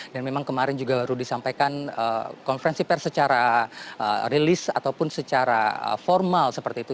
dan memang kemarin juga baru disampaikan konferensi per secara rilis ataupun secara formal seperti itu